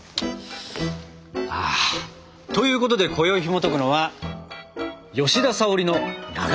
あということでこよひもとくのは「吉田沙保里のなが」。